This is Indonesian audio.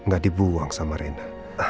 gak dibuang sama rena